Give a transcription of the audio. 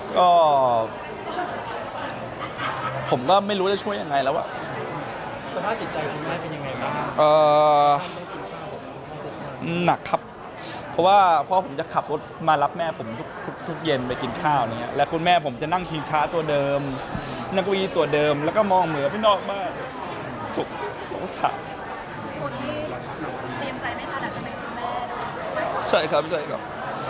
ก็ผมก็ไม่รู้จะช่วยยังไงแล้วอ่ะสภาพจิตใจคุณแม่เป็นยังไงบ้างครับเพราะว่าพ่อผมจะขับรถมารับแม่ผมทุกเย็นไปกินข้าวเนี่ยแล้วคุณแม่ผมจะนั่งชิงช้าตัวเดิมนั่งเก้าอี้ตัวเดิมแล้วก็มองเหมือนกับพี่นอกว่าสุขสงสาร